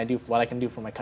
untuk negara saya